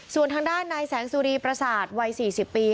ส่วนทางด้านนายแสงสุรีประสาทวัย๔๐ปี